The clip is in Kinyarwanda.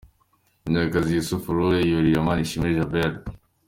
Munyakazi Yussuf Rule yurira Manishimwe Djabel .